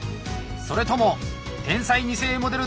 それとも「天才二世モデル」